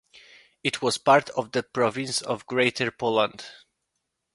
It was part of the Province of Greater Poland.